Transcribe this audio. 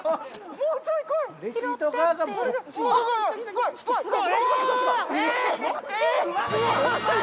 もうちょい来い！